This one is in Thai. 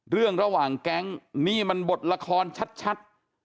ระหว่างแก๊งนี่มันบทละครชัด